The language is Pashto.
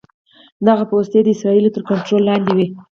دغه پوستې د اسرائیلو تر کنټرول لاندې دي.